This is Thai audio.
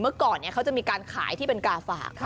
เมื่อก่อนเขาจะมีการขายที่เป็นกาฝาก